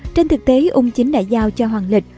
trên thực tế ung chính đã giao cho hoàng lịch